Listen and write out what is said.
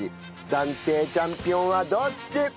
暫定チャンピオンはどっち！？